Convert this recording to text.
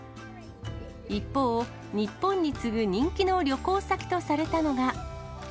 一方、日本に次ぐ人気の旅行先とされたのが。